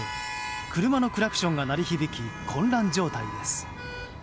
車のクラクションが鳴り響き混乱状態です。